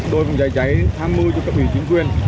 đôi vùng cháy cháy hai mươi cho các ủy chính quyền